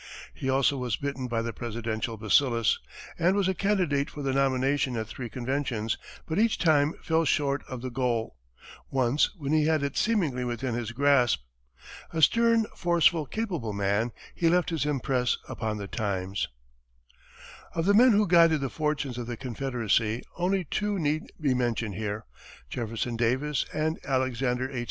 He, also, was bitten by the presidential bacillus, and was a candidate for the nomination at three conventions, but each time fell short of the goal once when he had it seemingly within his grasp. A stern, forceful, capable man, he left his impress upon the times. Of the men who guided the fortunes of the Confederacy, only two need be mentioned here Jefferson Davis and Alexander H.